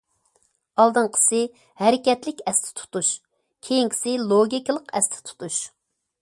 ئالدىنقىسى ھەرىكەتلىك ئەستە تۇتۇش، كېيىنكىسى لوگىكىلىق ئەستە تۇتۇش.